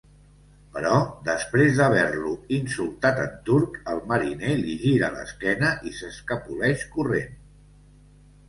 Però, després d'haver-lo insultat en turc, el mariner li gira l'esquena i s'escapoleix corrent.